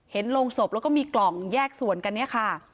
โรงศพแล้วก็มีกล่องแยกส่วนกันเนี่ยค่ะ